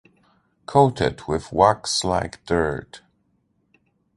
coated with wax-like dirt